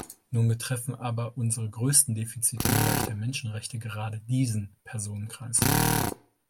Nun betreffen aber unsere größten Defizite im Bereich der Menschenrechte gerade diesen Personenkreis.